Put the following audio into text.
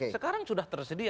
sekarang sudah tersedia